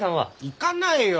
行かないよ！